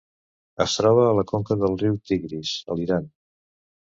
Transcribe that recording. Es troba a la conca del riu Tigris a l'Iran.